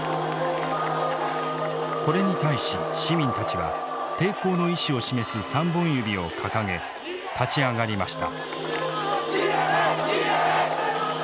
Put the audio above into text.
これに対し市民たちは抵抗の意思を示す３本指を掲げ立ち上がりました。